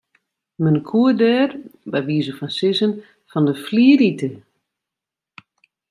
Men koe der by wize fan sizzen fan 'e flier ite.